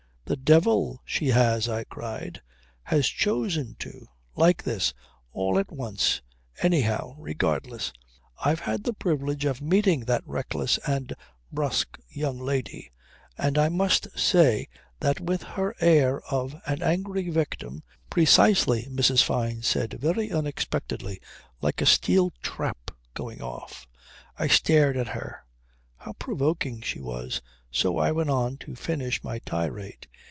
"The devil she has," I cried. "Has chosen to ... Like this, all at once, anyhow, regardless ... I've had the privilege of meeting that reckless and brusque young lady and I must say that with her air of an angry victim ..." "Precisely," Mrs. Fyne said very unexpectedly like a steel trap going off. I stared at her. How provoking she was! So I went on to finish my tirade.